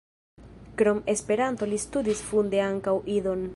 Krom Esperanto li studis funde ankaŭ Idon.